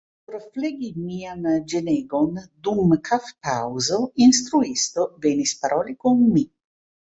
Por flegi mian ĝenegon, dum kafpaŭzo instruisto venis paroli kun mi.